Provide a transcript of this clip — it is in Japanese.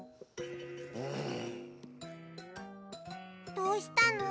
どうしたの？